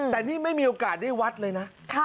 แต่นี่ไม่มีโอกาสได้วัดเลยนะ